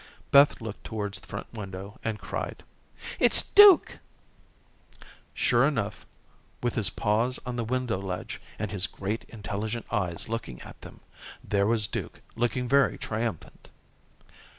Beth looked towards the front window and cried: "It's Duke." Sure enough, with his paws upon the window ledge, and his great intelligent eyes looking at them, there was Duke looking very triumphant.